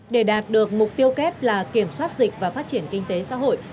để đạt được mục tiêu kép là kiểm soát dịch và phát triển kinh tế xã hội